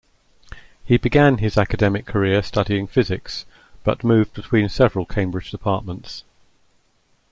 He began his academic career studying physics, but moved between several Cambridge departments.